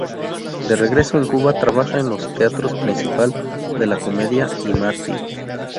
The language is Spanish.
De regreso en Cuba trabaja en los teatros Principal de la Comedia y Martí.